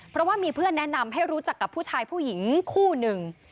เพราะว่ามีเพื่อนแนะนำให้รู้จักกับผู้ชายผู้หญิงคู่หนึ่ง